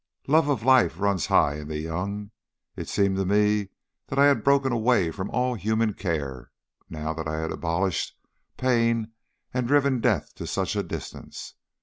"Love of life runs high in the young. It seemed to me that I had broken away from all human care now that I had abolished pain and driven death to such a distance.